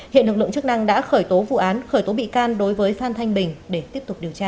hiện lực lượng chức năng đã khởi tố vụ án khởi tố bị can đối với phan thanh bình để tiếp tục điều tra